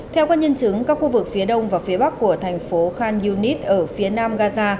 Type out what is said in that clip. theo quan nhân chứng các khu vực phía đông và phía bắc của thành phố khan yunis ở phía nam gaza